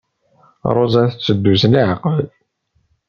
Ṛuza tetteddu s leɛqel.